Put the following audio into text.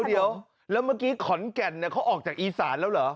เดี๋ยวแล้วเมื่อกี้ขอนแก่นเขาออกจากอีสานแล้วเหรอ